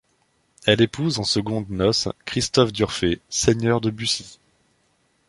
Elle épouse en secondes noces, Christophe d'Urfé, seigneur de Bussy.